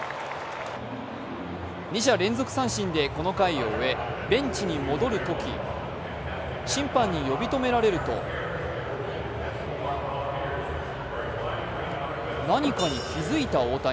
２者連続三振でこの回を終えベンチに戻るとき審判に呼び止められると、何かに気付いた大谷。